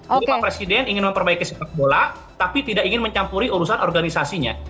pak presiden ingin memperbaiki sepak bola tapi tidak ingin mencampuri urusan organisasinya